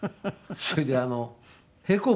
それで平行棒？